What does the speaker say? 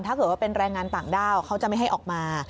ถ้าเกิดว่าเป็นแรงงานต่างด้าวเขาจะไม่ให้ออกมา